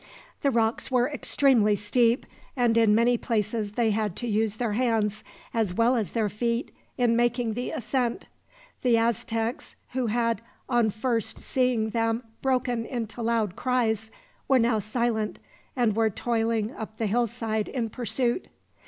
The rocks were extremely steep, and in many places they had to use their hands, as well as their feet, in making the ascent. The Aztecs, who had on first seeing them broken into loud cries, were now silent, and were toiling up the hillside in pursuit.